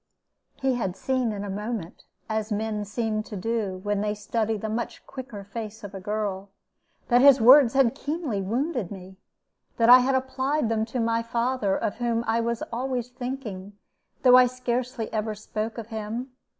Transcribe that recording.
He had seen in a moment, as men seem to do, when they study the much quicker face of a girl, that his words had keenly wounded me that I had applied them to my father, of whom I was always thinking, though I scarcely ever spoke of him.